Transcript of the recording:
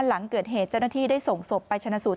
หลังเกิดเหตุเจ้าหน้าที่ได้ส่งศพไปชนะสูตร